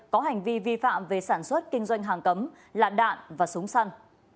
có hành vi vi phạm về sản xuất kinh doanh hàng cấm là đạn và súng săn